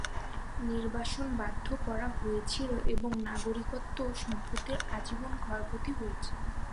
নির্বাসন বাধ্য করা হয়েছিল এবং নাগরিকত্ব ও সম্পত্তির আজীবন ক্ষয়ক্ষতি হয়েছে।